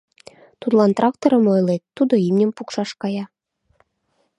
Тудлан тракторым ойлет — тудо имньым пукшаш кая.